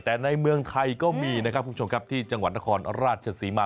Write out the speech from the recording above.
แต่ในเมืองไทยก็มีนะครับคุณผู้ชมครับที่จังหวัดนครราชศรีมา